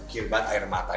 kirbat air mata